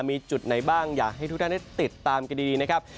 มีจุดไหนบ้างอยากให้ทุกท่านได้ติดตามกันดีนะครับ